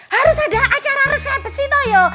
harus ada acara resepsi toyo